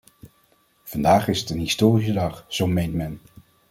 Vandaag is het een historische dag, zo meent men.